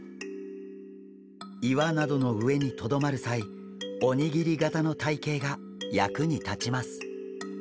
岩などの上にとどまる際おにぎり型の体形が役に立ちます。